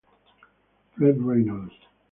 Fred Reynolds